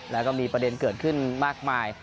แล้วก็มีประเด็นเกิดขึ้นมากมาย